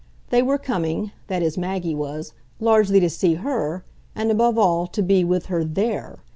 They were coming that is Maggie was largely to see her, and above all to be with her THERE.